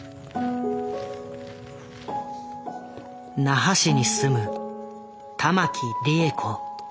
那覇市に住む玉木利枝子。